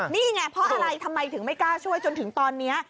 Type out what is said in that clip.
นี่ไงเพราะอะไรทำไมถึงไม่กล้าช่วยจนถึงตอนนี้